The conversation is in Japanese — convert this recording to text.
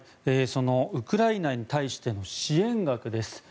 ウクライナに対しての支援額です。